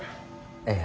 ええ。